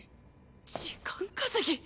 時間稼ぎ！？